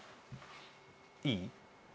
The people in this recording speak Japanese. いい？